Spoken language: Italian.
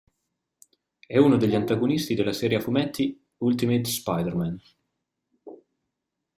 È uno degli antagonisti della serie a fumetti "Ultimate Spider-Man".